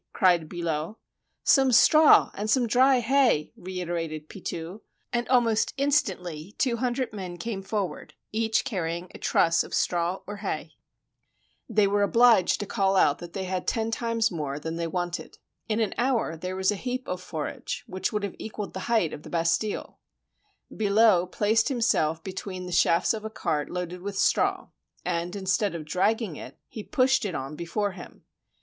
cried Billot. "Some straw and some dry hay!" reiterated Pitou, and almost instantly two hundred men came forward, each carrying a truss of straw or hay. ' Yrom Ange Pitou. Copyright (U.S.A.), 1895, by Little, Brown, and Company. 286 THE FALL OF THE BASTH^LE They were obliged to call out that they had ten times more than they wanted. In an hour there was a heap of forage which would have equaled the height of the Bas tille. Billot placed himself between the shafts of a cart loaded with straw, and instead of dragging it, he pushed it on before him.